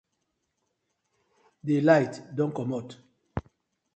DI light don komot.